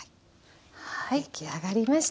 出来上がりました！